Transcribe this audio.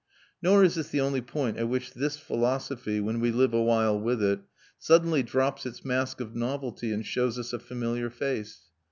Nor is this the only point at which this philosophy, when we live a while with it, suddenly drops its mask of novelty and shows us a familiar face.